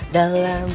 dalam hati ku